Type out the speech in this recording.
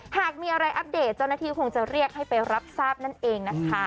หากมีอะไรอัปเดตเจ้าหน้าที่คงจะเรียกให้ไปรับทราบนั่นเองนะคะ